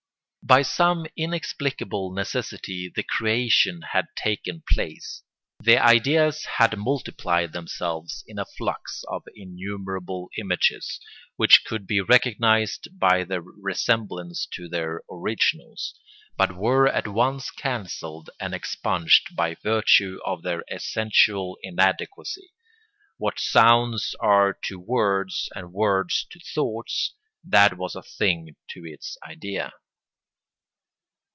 By some inexplicable necessity the creation had taken place. The ideas had multiplied themselves in a flux of innumerable images which could be recognised by their resemblance to their originals, but were at once cancelled and expunged by virtue of their essential inadequacy. What sounds are to words and words to thoughts, that was a thing to its idea.